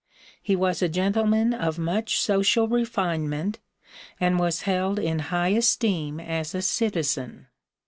He was a gentleman of much social refinement, and was held in high esteem as a citizen.